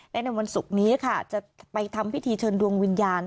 และในวันศุกร์นี้ค่ะจะไปทำพิธีเชิญดวงวิญญาณ